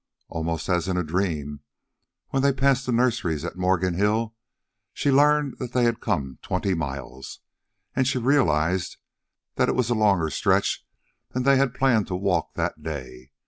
Almost as in a dream, when they passed the nurseries at Morgan Hill, she learned they had come twenty miles, and realized that it was a longer stretch than they had planned to walk that day.